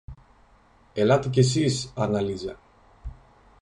Ελάτε και σεις, Άννα Λίζα